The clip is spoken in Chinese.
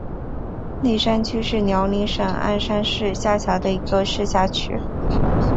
立山区是辽宁省鞍山市下辖的一个市辖区。